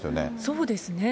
そうですね。